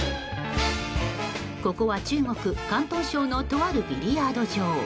ここは中国・広東省のとあるビリヤード場。